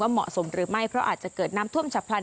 เหมาะสมหรือไม่เพราะอาจจะเกิดน้ำท่วมฉับพลัน